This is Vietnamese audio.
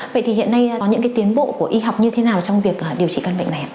vậy thì hiện nay có những cái tiến bộ của y học như thế nào trong việc điều trị căn bệnh này ạ